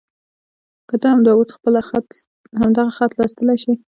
که ته همدا اوس همدغه خط لوستلی شې.